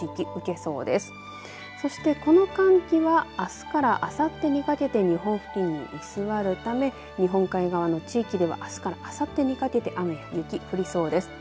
そして、この寒気はあすからあさってにかけて日本付近に居座るため日本海側の地域ではあすからあさってにかけて雨や雪、降りそうです。